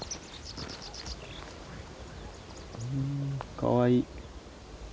かわいい。